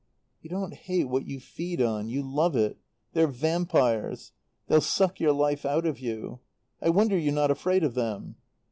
"You don't hate what you feed on. You love it. They're vampires. They'll suck your life out of you. I wonder you're not afraid of them.